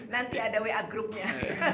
nanti ada wa grupnya